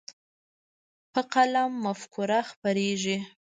په قلم مفکوره خپرېږي.